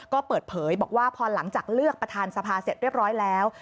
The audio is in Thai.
ก็เปิดเผยบอกว่าพอหลังจากเลือกประธานสภาเสร็จเรียบร้อยแล้ว